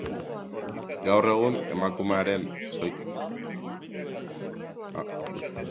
Gaur egun emakumearena soilik den gona gizon hartu dezake?